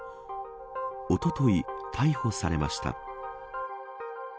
おととい逮捕されました。